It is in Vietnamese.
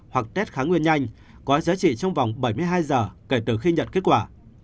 hoặc tết khá nguyên nhanh có giá trị trong vòng bảy mươi hai giờ kể từ khi nhận kết quả